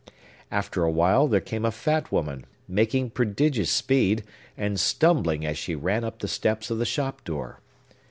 After a while, there came a fat woman, making prodigious speed, and stumbling as she ran up the steps of the shop door.